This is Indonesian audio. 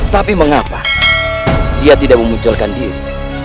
tapi mengapa dia tidak memunculkan diri